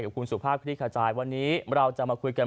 คุณสุภาพคลิกขจายวันนี้เราจะมาคุยกัน